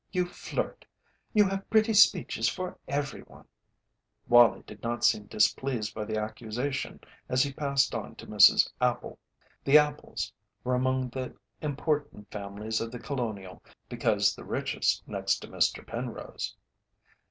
"You flirt! You have pretty speeches for everyone." Wallie did not seem displeased by the accusation as he passed on to Mrs. Appel. The Appels were among the important families of The Colonial because the richest next to Mr. Penrose.